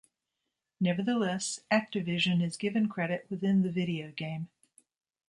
Nevertheless, Activision is given credit within the video game.